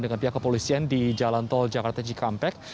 dengan pihak kepolisian di jalan tol jakarta cikampek